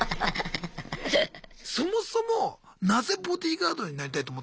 そもそもなぜボディーガードになりたいと思ったんすか？